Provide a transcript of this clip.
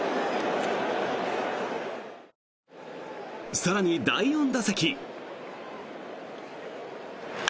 更に、第４打席。